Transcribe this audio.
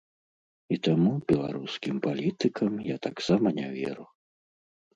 І таму беларускім палітыкам я таксама не веру.